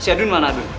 si adun mana adun